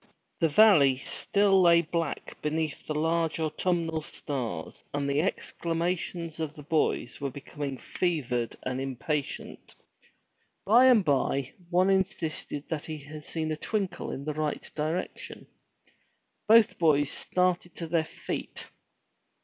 The valley still lay black beneath the large autumnal stars and the exclamations of the boys were becoming fevered and 237 MY BOOK HOUSE impatient. By and by one insisted that he had seen a twinkle in the right direction. Both boys started to their feet.